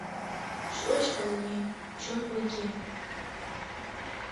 Шуэш палымем чон ойгем.